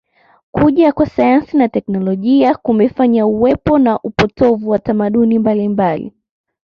Kuja kwa sayansi na teknolojia kumefanya uwepo na upotovu wa tamaduni mbalimbali